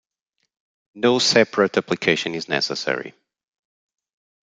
No separate application is necessary.